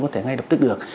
có thể ngay đập tức được